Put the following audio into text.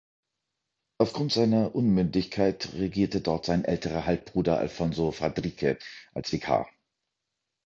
Aufgrund seiner Unmündigkeit regierte dort sein älterer Halbbruder Alfonso Fadrique als Vikar.